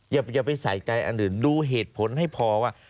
อย่าไปใส่ใจอันอื่นดูเหตุผลให้พอว่า